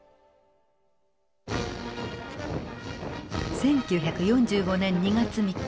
１９４５年２月３日。